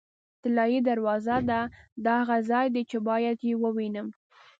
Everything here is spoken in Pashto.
طلایي دروازه ده، دا هغه ځای دی چې باید یې ووینم.